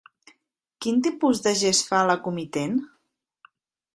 Quin tipus de gest fa la comitent?